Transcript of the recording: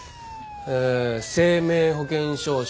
え生命保険証書。